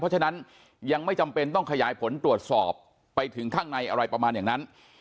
เพราะฉะนั้นยังไม่จำเป็นต้องขยายผลตรวจสอบไปถึงข้างในอะไรประมาณอย่างนั้น